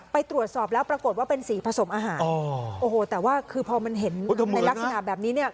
ไปตรวจสอบแล้วปรากฏว่าเป็นสีผสมอาหารโอ้โหแต่ว่าคือพอมันเห็นในลักษณะแบบนี้เนี่ย